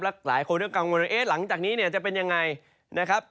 และหลายคนก็กังวลว่าเอ๊ะหลังจากนี้จะเป็นอย่างไรนะครับ